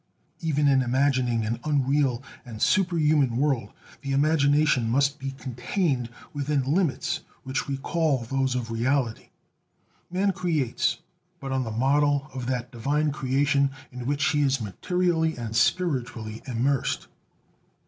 Even in imagining an unreal and superhuman world, the imagination must be contained within limits which recall those of reality. Man creates, but on the model of that divine creation in which he is materially and spiritually immersed.